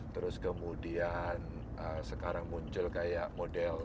terus kemudian sekarang muncul kayak model